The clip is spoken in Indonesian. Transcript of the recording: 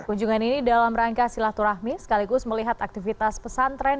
kunjungan ini dalam rangka silaturahmi sekaligus melihat aktivitas pesantren